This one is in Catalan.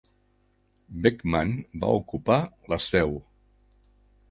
Beckman va ocupar la Seu.